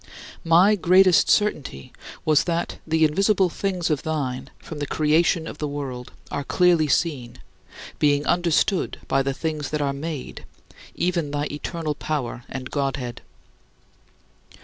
My greatest certainty was that "the invisible things of thine from the creation of the world are clearly seen, being understood by the things that are made, even thy eternal power and Godhead."